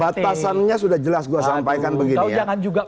batasannya sudah jelas gue sampaikan begini ya